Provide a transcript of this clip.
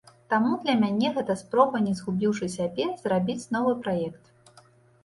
Таму для мяне гэта спроба не згубіўшы сябе, зрабіць новы праект.